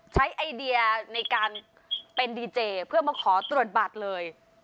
ไอเดียในการเป็นดีเจเพื่อมาขอตรวจบัตรเลย